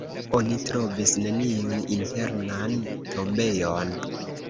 Oni trovis neniun internan tombejon.